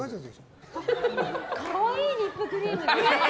可愛いリップクリーム！